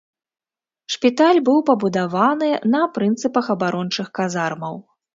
Шпіталь быў пабудаваны на прынцыпах абарончых казармаў.